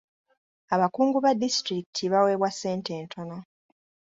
Abakungu ba disitulikiti baweebwa ssente ntono.